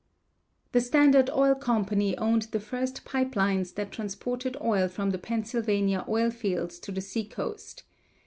The Standard Oil Company owned the first pipe lines that transported oil from the Pennsylvania oil fields to the seacoast.